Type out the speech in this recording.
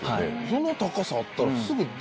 その高さあったら。